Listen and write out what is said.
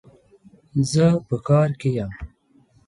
زه په کار کي يم